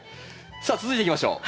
さあ続いていきましょう。